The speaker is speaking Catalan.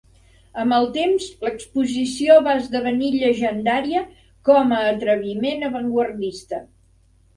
Amb el temps l'exposició va esdevenir llegendària com a atreviment avantguardista.